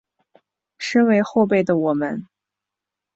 身为后辈的我们